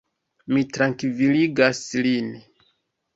Mi trankviligas lin.